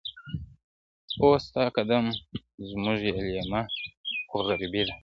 o ستا قدم زموږ یې لېمه خو غریبي ده,